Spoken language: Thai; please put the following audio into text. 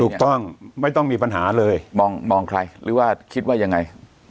ถูกต้องไม่ต้องมีปัญหาเลยมองใครหรือว่าคิดว่ายังไง